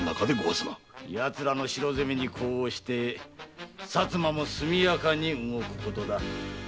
奴らの城攻めに呼応して薩摩も速やかに動く事だ。